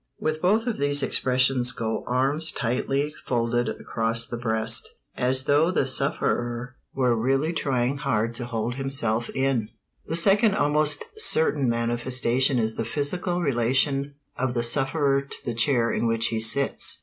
With both these expressions go arms tightly folded across the breast, as though the sufferer were really trying hard to hold himself in. [Illustration: "They may 'go to sleep in his face.'"] The second almost certain manifestation is in the physical relation of the sufferer to the chair in which he sits.